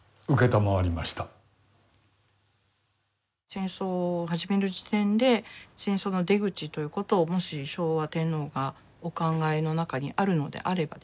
戦争を始める時点で戦争の出口ということをもし昭和天皇がお考えの中にあるのであればですね